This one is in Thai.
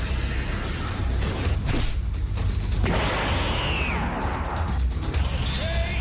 แท่เทียงอะไรพี่จะไปสู้แม่เหรอ